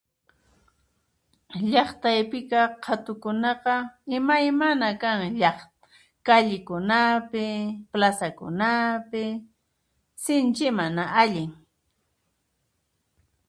Llaqtaypiqa qatukunaqa imaymana kan callikunapi, plasakunapi, sinchima allin.